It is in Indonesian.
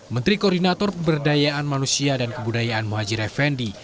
menteri koordinator pemberdayaan manusia dan kebudayaan muhajir effendi